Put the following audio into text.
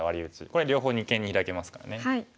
これ両方二間にヒラけますからね。